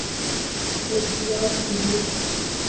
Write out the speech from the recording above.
احطیاط کیجئے